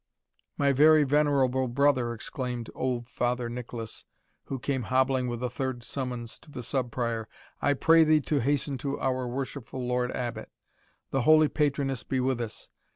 "My very venerable brother," exclaimed old Father Nicholas, who came hobbling with a third summons to the Sub Prior, "I pray thee to hasten to our worshipful Lord Abbot. The holy patroness be with us!